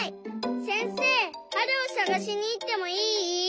せんせいはるをさがしにいってもいい？